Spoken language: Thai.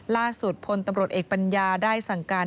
ล่าสุดพลตำรวจเอกปัญญาได้สั่งการ